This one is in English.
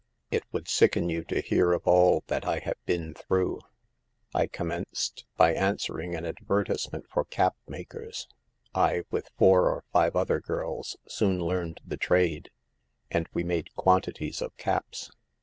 It would sicken you to hear of all that I have been through. I commenced, by answering an advertisement for cap makers. I, with four or five other girls, soon learned the trade, and we made quantities of caps.